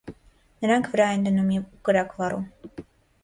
Նրանք վրան են դնում ու կրակ վառում։